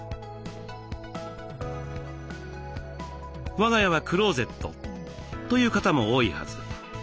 我が家はクローゼットという方も多いはず。